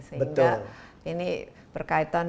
sehingga ini berkaitan